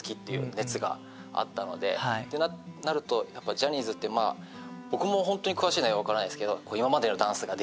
ジャニーズって僕も本当に詳しい内容分からないですけど。